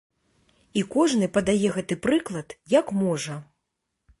І кожны падае гэты прыклад, як можа.